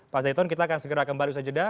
pak zaiton kita akan segera kembali usai jeda